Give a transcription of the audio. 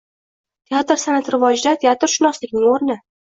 Teatr san’ati rivojida teatrshunoslikning o‘rni